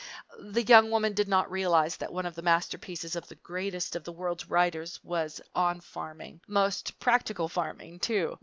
The young woman did not realize that one of the masterpieces of the greatest of the world's writers was on farming most practical farming, too!